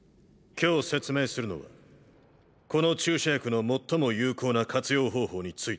今日説明するのはこの注射薬の最も有効な活用方法についてだ。